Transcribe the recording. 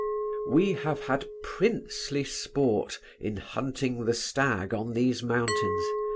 We have had princely sport in hunting the stag on these mountains.